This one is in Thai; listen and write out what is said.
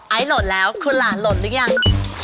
ไอล์โหลดแล้วคุณหลานโหลดหรือยัง